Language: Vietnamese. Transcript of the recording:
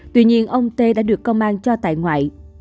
tuy nhiên ông tê đã được công an cho tại ngoại